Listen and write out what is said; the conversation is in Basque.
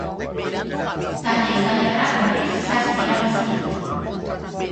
Talde italiarrak, berriz, zazpi irabazi ditu.